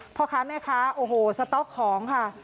พ่อค้าแม่ค้าโอ้โหสต๊อกของค่ะ